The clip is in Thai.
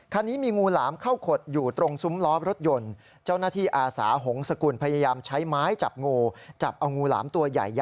คันนี้มีงูหลามเข้าขดอยู่ตรงซุ้มล้อรถยนต์